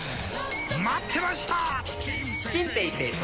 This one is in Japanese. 待ってました！